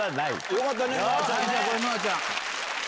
よかったね